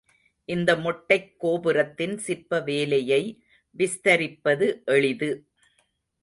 இந்த மொட்டைக் கோபுரத்தின் சிற்ப வேலையை விஸ்தரிப்பது எளிது.